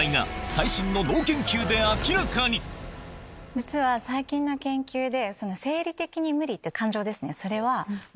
実は最近の研究で。